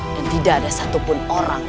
dan tidak ada satupun orang